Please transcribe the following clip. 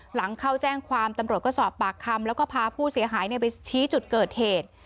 หลังเข้าแจ้งความตำรวจก็สอบปากคำแล้วก็พาผู้เสียหายไปชี้จุดเกิดเหตุ